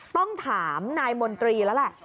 ต้องถามนายมนตรีแล้วแหละ